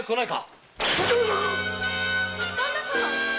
旦那様？